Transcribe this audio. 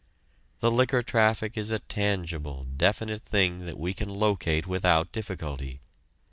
The liquor traffic is a tangible, definite thing that we can locate without difficulty.